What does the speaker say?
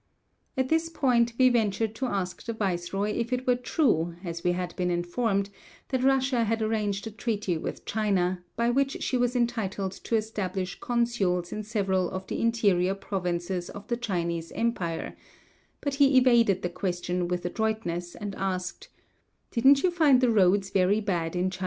At this point we ventured to ask the viceroy if it were true, as we had been informed, that Russia had arranged a treaty with China, by which she was entitled to establish consuls in several of the interior provinces of the Chinese empire, but he evaded the question with adroitness, and asked: "Didn't you find the roads very bad in China?"